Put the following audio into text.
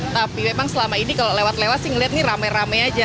tapi memang selama ini kalau lewat lewat sih ngeliat nih rame rame aja